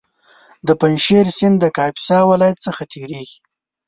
د پنجشېر سیند د کاپیسا ولایت څخه تېرېږي